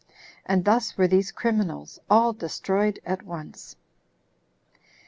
And thus were these criminals all destroyed at once.